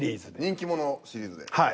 人気者シリーズで。